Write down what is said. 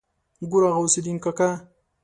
ګوره غوث الدين کاکا.